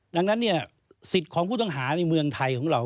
ดังนั้นเนี่ยสิทธิ์ของผู้ต้องหาในเมืองไทยของเรา